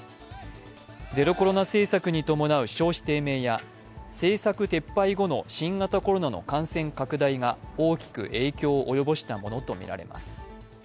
ゼロコロナ政策に伴う消費低迷や政策撤廃後の新型コロナの感染拡大が大きく影響を及ぼしたものとみられます。